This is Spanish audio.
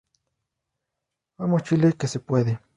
Vamos Chile ¡que se puede!"".